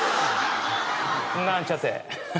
なんちゃって。